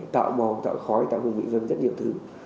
tạo mồm tạo khói tạo hùng vị vân rất nhiều thứ